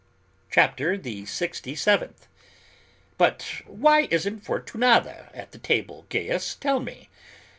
CHAPTER THE SIXTY SEVENTH. "But why isn't Fortunata at the table, Gaius? Tell me."